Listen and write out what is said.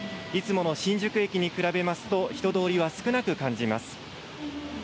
いつもの新宿駅に比べますと人通りは少なく感じます。